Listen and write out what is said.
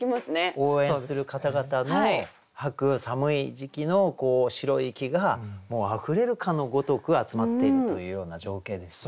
応援する方々の吐く寒い時期の白い息がもうあふれるかのごとく集まっているというような情景ですよね。